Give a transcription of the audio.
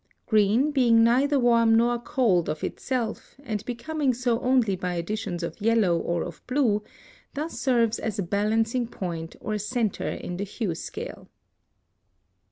Green, being neither warm nor cold of itself, and becoming so only by additions of yellow or of blue, thus serves as a balancing point or centre in the hue scale.